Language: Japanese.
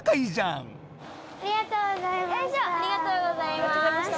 ありがとうございます。